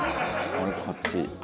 「俺こっち。